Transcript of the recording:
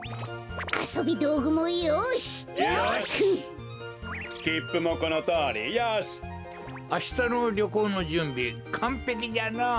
あしたのりょこうのじゅんびかんぺきじゃのう。